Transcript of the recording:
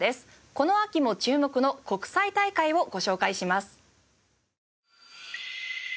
この秋も注目の国際大会をご紹介します。